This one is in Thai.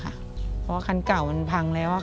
เพราะว่าคันเก่ามันพังแล้ว